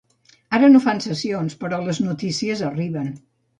Ara no fan sessions, però les notícies arriben.